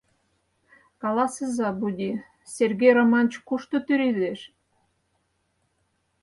Каласыза, буди, Сергей Романыч кушто тӱредеш?